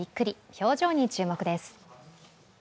表情に注目です。